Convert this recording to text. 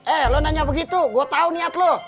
eh lo nanya begitu gue tau niat lo